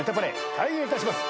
開演いたします。